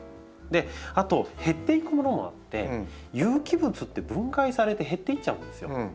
あと減っていくものもあって有機物って分解されて減っていっちゃうんですよ。